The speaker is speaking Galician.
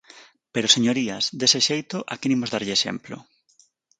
Pero, señorías, dese xeito, ¿a quen imos darlle exemplo?